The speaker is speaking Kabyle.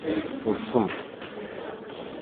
Ḍsemt!